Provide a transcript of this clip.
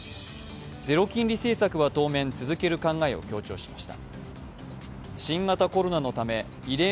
ゼロ金利政策は当面、続ける考えを強調しました。